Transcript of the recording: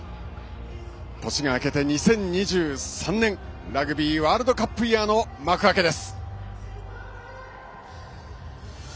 年が明けて２０２３年ラグビーワールドカップイヤーの幕開けです。